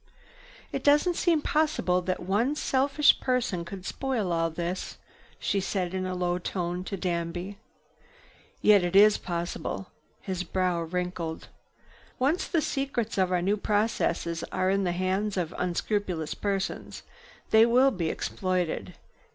"It doesn't seem possible that one selfish person could spoil all this," she said in a low tone to Danby. "Yet it is possible." His brow wrinkled. "Once the secrets of our new processes are in the hands of unscrupulous persons, they will be exploited.